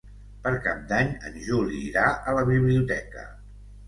Per Cap d'Any en Juli irà a la biblioteca.